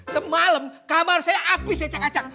semalam kamar saya apis lecak lecak